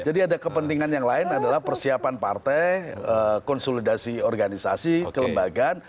jadi ada kepentingan yang lain adalah persiapan partai konsolidasi organisasi kelembagaan